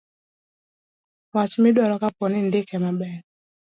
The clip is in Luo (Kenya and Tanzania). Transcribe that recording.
wach midwaro kapo ni indike maber